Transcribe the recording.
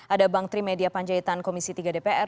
ada bang trimedia panjaitan komisi tiga dpr